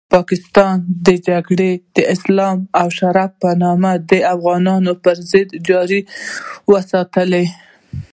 پاکستان دا جګړه د اسلام او شریعت په نامه د افغانستان پرضد جاري وساتله.